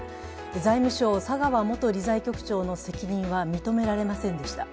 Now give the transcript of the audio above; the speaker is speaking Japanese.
財務省・佐川元理財局長の責任は認められませんでした。